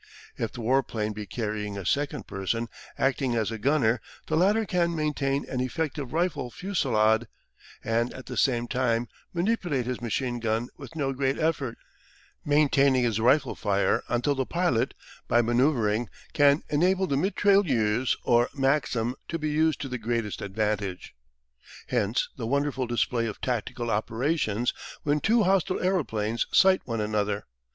If the warplane be carrying a second person, acting as a gunner, the latter can maintain an effective rifle fusillade, and, at the same time, manipulate his machine gun with no great effort, maintaining rifle fire until the pilot, by manoeuvring, can enable the mitrailleuse or Maxim to be used to the greatest advantage. Hence the wonderful display of tactical operations when two hostile aeroplanes sight one another.